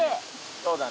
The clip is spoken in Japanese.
そうだね。